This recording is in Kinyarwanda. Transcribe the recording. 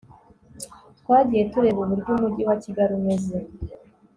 twagiye tureba uburyo umujyi wa kigali umeze